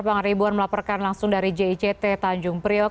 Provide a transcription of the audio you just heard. bang ribuan melaporkan langsung dari jict tanjung priok